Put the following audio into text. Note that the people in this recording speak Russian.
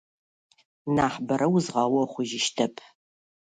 Я больше мешать не буду.